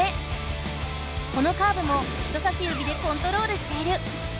このカーブも人さし指でコントロールしている。